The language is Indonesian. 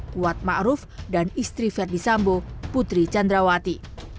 kuat ma ruf dan istri ferdisambo putri chandrawati